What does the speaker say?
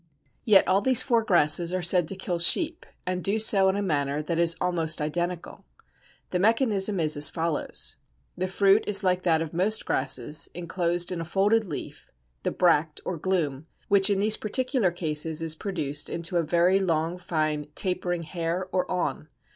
Yet all these four grasses are said to kill sheep, and do so in a manner that is almost identical. The mechanism is as follows. The fruit is like that of most grasses, enclosed in a folded leaf, the bract (or glume), which in these particular cases is produced into a very long fine tapering hair or awn.